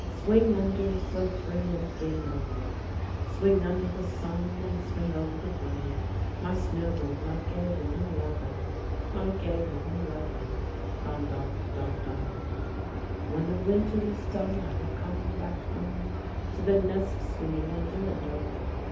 Swing under, so free, and swing over ; Swing under the sun and swing over the world, My snow bird, my gay little lover — My gay little lover, i/on, don /... doH, don !" When the winter is done I will come back home, To the nest swinging under and over.